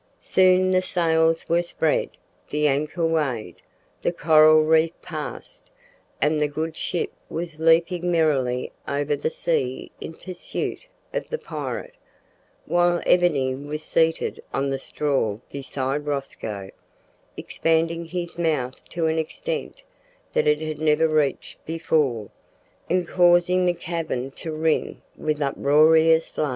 Soon the sails were spread, the anchor weighed, the coral reef passed, and the good ship was leaping merrily over the sea in pursuit of the pirate, while Ebony was seated on the straw beside Rosco, expanding his mouth to an extent that it had never reached before, and causing the cavern to ring with uproarious laughter.